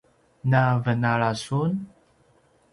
na venala sun